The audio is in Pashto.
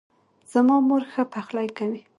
زما مور ښه پخلۍ کوي